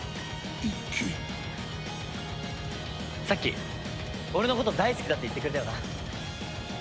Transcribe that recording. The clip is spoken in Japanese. さっき俺のことを大好きだって言ってくれたよな。